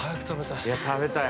いや食べたい。